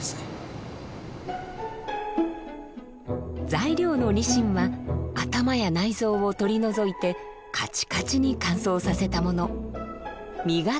材料のにしんは頭や内臓を取り除いてカチカチに乾燥させたもの。